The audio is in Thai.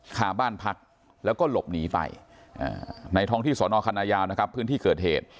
คาบ้านพักแล้วก็หลบหนีไปในท้องที่สอนอคณะยาวนะครับพื้นที่เกิดเหตุ